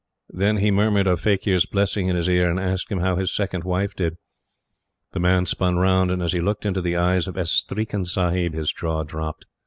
Then he murmured a faquir's blessing in his ear, and asked him how his second wife did. The man spun round, and, as he looked into the eyes of "Estreeken Sahib," his jaw dropped.